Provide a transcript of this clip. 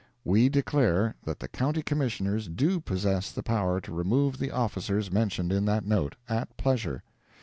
We declare that the County Commissioners do possess the power to remove the officers mentioned in that note, at pleasure.